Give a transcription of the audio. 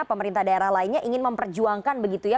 pemerintah daerah lainnya ingin memperjuangkan begitu ya